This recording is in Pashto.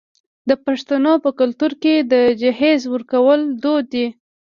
د پښتنو په کلتور کې د جهیز ورکول دود دی.